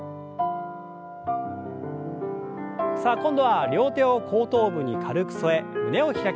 さあ今度は両手を後頭部に軽く添え胸を開きます。